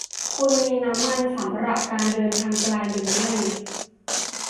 คุณมีน้ำมันสำหรับการเดินทางไกลหรือไม่